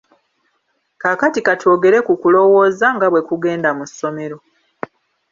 Kaakati ka twogere ku kulowooza nga bwe kugenda mu ssomero.